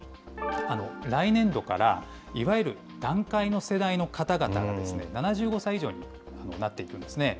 また、支出では、来年度からいわゆる団塊の世代の方々が７５歳以上になっていくんですね。